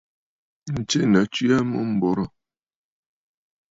Ǹtsena tswe aa amûm m̀borǝ̀.